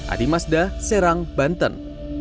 adi mazda serang banten